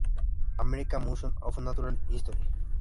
American Museum of Natural History.